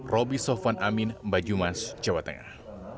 roby sofwan amin mbak jumans jawa tengah